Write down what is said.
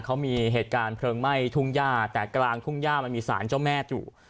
เขามีเหตุการณ์เพลิงไหม้ทุ่งย่าแต่กลางทุ่งย่ามันมีสารเจ้าแม่อยู่